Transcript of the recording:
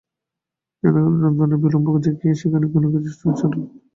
জানা গেল রন্ধনের বিলম্ব দেখিয়া সে খানিকক্ষণ আগে জ্যোৎস্নায় চরের মধ্যে বেড়াইতে বাহির হইয়াছে।